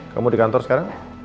kamu di kantor sekarang